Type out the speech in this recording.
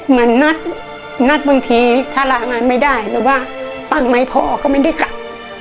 เหมือนนัดบางทีถ้าลางานไม่ได้หรือว่าปั้นไหมพ่อก็ไม่ได้กลับ